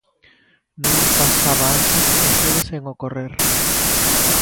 Non pasaba antes e segue sen ocorrer.